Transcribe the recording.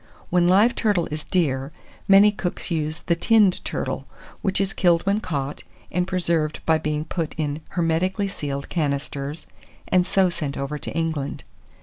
When live turtle is dear, many cooks use the tinned turtle, which is killed when caught, and preserved by being put in hermetically sealed canisters, and so sent over to England.